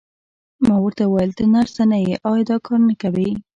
ما ورته وویل: ته نرسه نه یې، ایا کار نه کوې؟